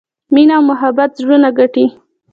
مینه او محبت زړونه ګټي.